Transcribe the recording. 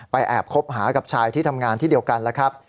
แอบคบหากับชายที่ทำงานที่เดียวกันแล้วครับ